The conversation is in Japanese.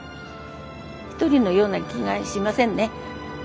１人のような気がしませんね。